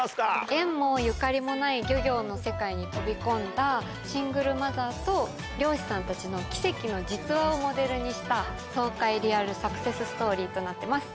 縁もゆかりもない漁業の世界に飛び込んだシングルマザーと漁師さんたちの奇跡の実話をモデルにした爽快リアルサクセスストーリーとなってます。